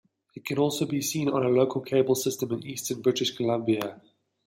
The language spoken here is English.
It can also been seen on local cable systems in eastern British Columbia.